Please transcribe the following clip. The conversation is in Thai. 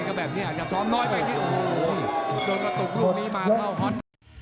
ก็แบบนี้ยังทำซอมน้อยไปวิดีโอเดูนตกลงมีมาท่าวฮอท